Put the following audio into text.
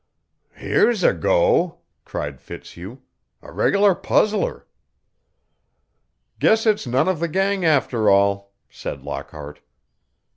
"Here's a go!" cried Fitzhugh. "A regular puzzler!" "Guess it's none of the gang, after all," said Lockhart.